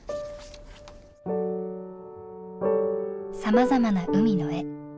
さまざまな海の絵。